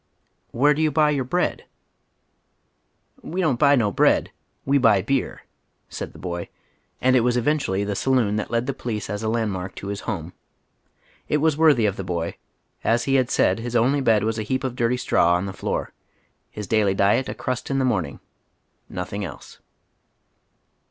" Where do yon buy your bread ?"" We don't buy no bread ; we bny beer," said the boy, and it was eventually the saloon that led the police as a land mark to his " home."' It was worthy of the boy. As he had said, his only bed was a heap of dirty straw on tlje floor, ills daily diet a crust in the morning, nothing else.